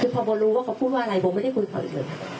คือพอบอกรู้ว่าเขาพูดว่าอะไรบอกไม่ได้คุยเขาอีกเลยครับ